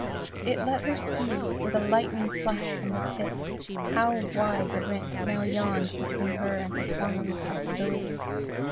It let her see, with a lightning flash from the pit, how wide the rent now yawned between her and her former respectability.